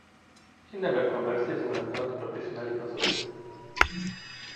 He never converses when not professionally consulted.